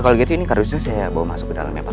kalau gitu ini harusnya saya bawa masuk ke dalam ya pak